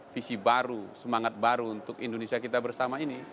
visi baru semangat baru untuk indonesia kita bersama ini